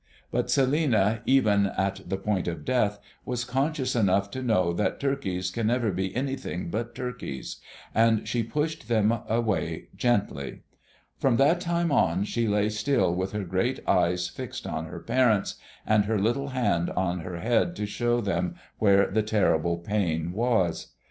But Celinina, even at the point of death, was conscious enough to know that turkeys can never be anything but turkeys; and she pushed them away gently. From that time on she lay still with her great eyes fixed on her parents, and her little hand on her head to show them where the terrible pain was.